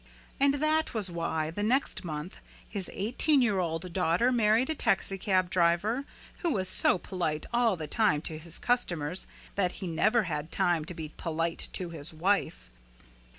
And that was why the next month his eighteen year old daughter married a taxicab driver who was so polite all the time to his customers that he never had time to be polite to his wife.